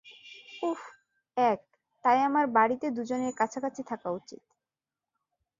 উহ, এক, তাই আমার বাড়িতে দুজনের কাছাকাছি থাকা উচিত।